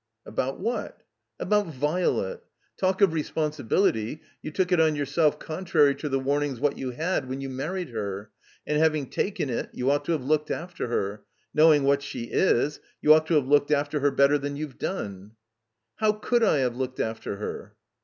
'<J "About what?" "About Virelet. Talk of responsibility, you took it on yourself contrary to the warnings what you had, when you married her. And having taken it you ought to have looked after her. Ejiowing what she is you ought to have looked after her better than you've done." "How could I have looked after her?"